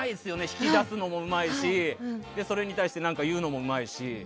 引き出すのもうまいしそれに対して何か言うのもうまいし。